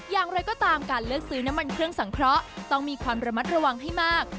อย่างไรก็ตามการเลือกซื้อน้ำมันเครื่องสังเคราะห์ต้องมีความระมัดระวังให้มาก